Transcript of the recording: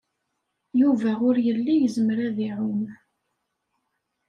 Yuba ur yelli yezmer ad iɛum.